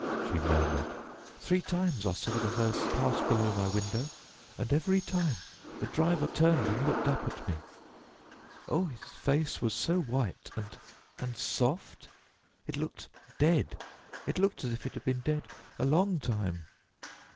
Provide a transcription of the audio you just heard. she murmured. "Three times I saw the hearse pass below my window, and every time the driver turned and looked up at me. Oh, his face was so white and and soft? It looked dead it looked as if it had been dead a long time."